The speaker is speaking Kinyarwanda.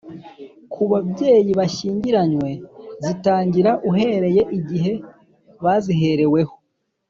ku babyeyi bashyingiranywe zitangira uhereye igihe bazihereweho